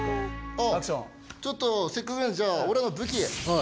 あっちょっとせっかくなんでじゃあオラの武器。